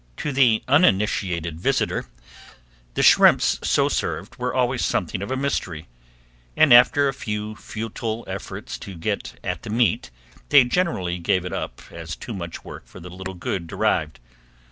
To the uninitiated visitor the shrimps so served were always something of a mystery, and after a few futile efforts to get at the meat they generally gave it up as too much work for the little good derived.